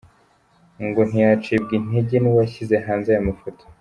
Ngo ntiyacibwa intege n'uwashyize hanze aya mafoto.